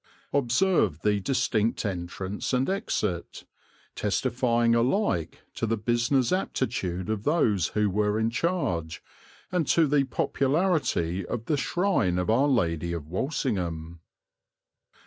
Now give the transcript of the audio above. Observe the distinct entrance and exit, testifying alike to the business aptitude of those who were in charge, and to the popularity of the shrine of our Lady of Walsingham.